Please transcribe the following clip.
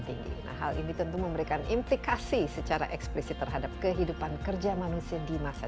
tinggi nah hal ini tentu memberikan implikasi secara eksplisit terhadap kehidupan kerja manusia di masa